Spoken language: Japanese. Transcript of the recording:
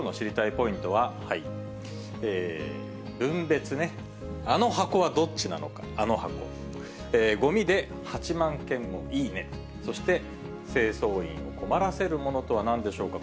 ポイントは、分別ね、あの箱はどっちなのか、あの箱、ごみで８万件もいいね、そして清掃員を困らせるものとはなんでしょうか？